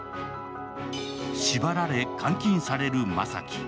縛られ、監禁される雅樹。